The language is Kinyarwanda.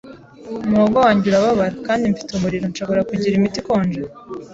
Umuhogo wanjye urababara, kandi mfite umuriro. Nshobora kugira imiti ikonje?